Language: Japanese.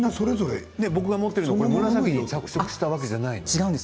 僕が持っているのは紫に着色したわけじゃないんだ。